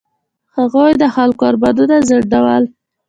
هغوی د خلکو ارمانونه ځنډول.